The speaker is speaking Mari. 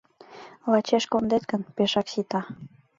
— Лачеш кондет гын, пешак сита.